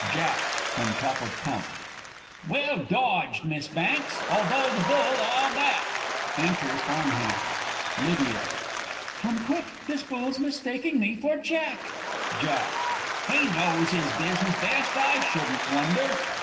_ Jack (from top of pump). Well dodged, Miss Banks! although the Bull I'll back! [Enter Farm hands. Lydia. Come quick this Bull's mistaking me for Jack! Jack. He knows his business best, I shouldn't wonder.